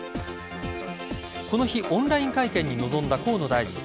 この日、オンライン会見に臨んだ河野大臣。